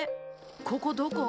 ここどこ？